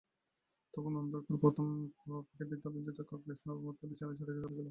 তখনো অন্ধকার, প্রথম পাখির দ্বিধাজড়িত কাকলি শোনবামাত্র ও বিছানা ছেড়ে চলে গেল।